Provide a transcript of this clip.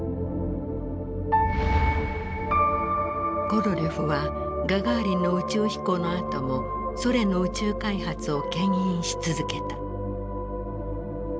コロリョフはガガーリンの宇宙飛行のあともソ連の宇宙開発をけん引し続けた。